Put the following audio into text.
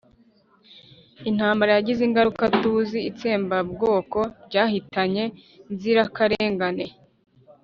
intambara yagize ingaruka tuzi: itsembabwoko ryahitanye nzirakarengane